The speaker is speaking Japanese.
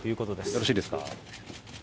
よろしいですか。